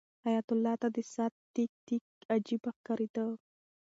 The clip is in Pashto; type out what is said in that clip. حیات الله ته د ساعت تیک تیک عجیبه ښکارېده.